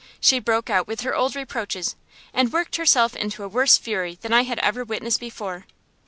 She broke out with her old reproaches, and worked herself into a worse fury than I had ever witnessed before.